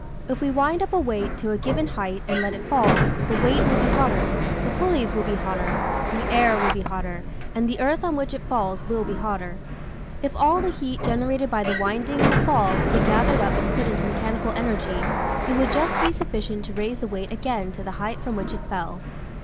If we wind up a weight to a given height and let it fall, the weight will be hotter, the pulleys will be hotter, the air will be hotter, and the earth on which it falls will be hotter. If all the heat generated by the winding and the fall could be gathered up and put into mechanical energy it would just be sufficient to raise the weight again to the height from which it fell.